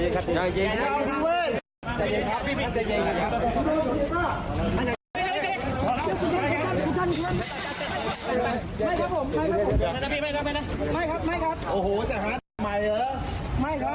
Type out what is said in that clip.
แกทำเหมือนกันอ่ะ